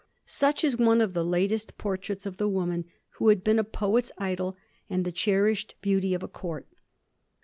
Such is one of the latest por traits of the woman who had been a poet's idol and the cherished beauty of a Court.